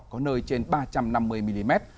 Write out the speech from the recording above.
có nơi trên ba trăm năm mươi mm